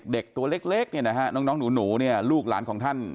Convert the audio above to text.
เด็กตัวเล็กเนี่ยนะฮะน้องหนูเนี่ยลูกหลานของท่าน